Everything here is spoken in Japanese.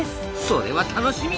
それは楽しみ！